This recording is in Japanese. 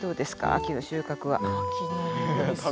秋の収穫は。